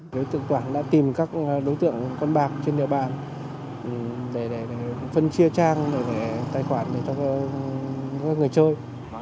đối tượng quản đã tìm các đối tượng con bạc trên địa bàn để phân chia trang để tài khoản cho các người chơi